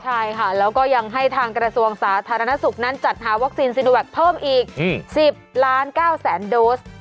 ใช่ค่ะแล้วก็ยังให้ทางกระทรวงสาธารณสุขนั้นจัดหาวัคซีนซีโนแวคเพิ่มอีก๑๐ล้าน๙แสนโดส